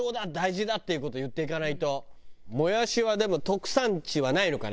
もやしはでも特産地はないのかね？